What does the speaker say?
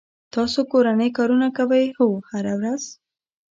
تاسو کورنی کارونه کوئ؟ هو، هره ورځ